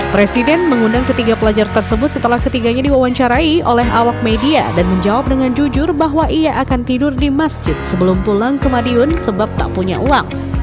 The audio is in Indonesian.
presiden mengundang ketiga pelajar tersebut setelah ketiganya diwawancarai oleh awak media dan menjawab dengan jujur bahwa ia akan tidur di masjid sebelum pulang ke madiun sebab tak punya uang